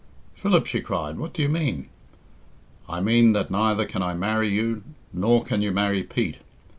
"Philip," she cried, "what do you mean?" "I mean that neither can I marry you, nor can you marry Pete.